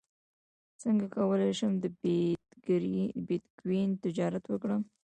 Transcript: څنګه کولی شم د بیتکوین تجارت وکړم